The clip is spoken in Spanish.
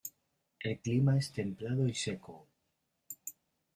El clima es templado y seco.